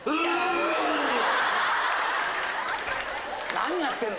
何やってんの？